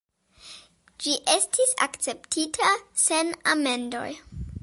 Ĝi estis akceptita sen amendoj.